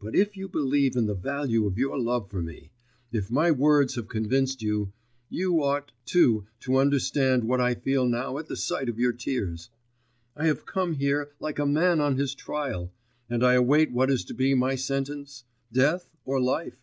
But if you believe in the value of your love for me, if my words have convinced you, you ought, too, to understand what I feel now at the sight of your tears. I have come here, like a man on his trial, and I await what is to be my sentence? Death or life?